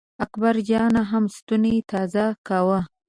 اکبر جان هم ستونی تازه کاوه.